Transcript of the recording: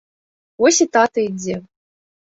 Вось і тата ідзе!